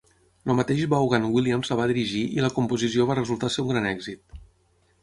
El mateix Vaughan Williams la va dirigir i la composició va resultar ser un gran èxit.